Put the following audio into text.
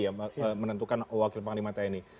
yang menentukan wakil panglima tni